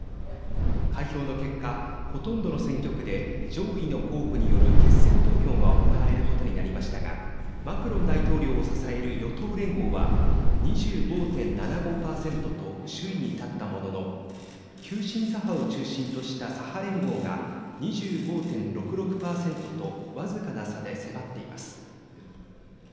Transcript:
開票の結果、ほとんどの選挙区で上位の候補による決選投票が行われることになりましたがマクロン大統領を支える与党連合は２５．７５％と首位に立ったものの急進左派を中心とした左派連合が２５．６６％と僅かな差で迫っています。